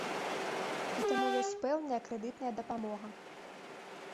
І таму ёсць пэўная крэдытная дапамога.